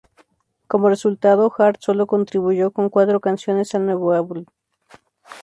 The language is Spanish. Como resultado, Hart solo contribuyó con cuatro canciones al nuevo álbum.